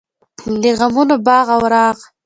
د غمونو باغ او راغ.